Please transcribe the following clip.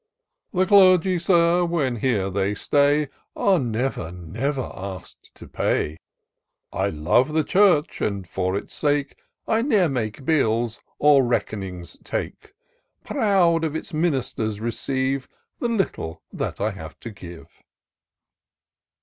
" The Clergy, Sir, when here they stay, Are never, never ask*d to pay : I love the Church, and, for its sake, I ne'er make bills or reck'nings take : Proud if its ministers receive The Kttle that I have to give."